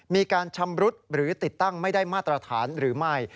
มีการชำรุดหรือติดตั้งไม่ได้มาตรฐานหรือไม่